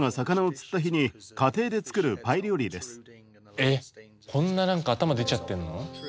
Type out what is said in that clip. えっこんな何か頭出ちゃってんの？